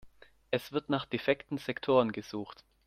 Es wird nach defekten Sektoren gesucht.